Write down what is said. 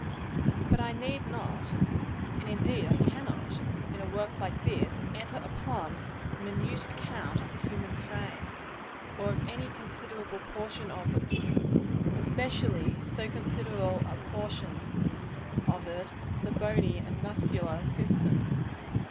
But I need not and indeed I cannot in a work like this, enter upon a minute account of the human frame, or of any considerable portion of it; especially so considerable a portion of it as the bony and muscular systems.